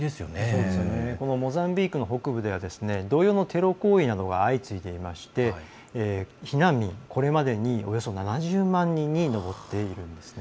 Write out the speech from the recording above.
モザンビークの北部では同様のテロ行為などが相次いでいまして避難民、これまでにおよそ７０万人に上っているんですね。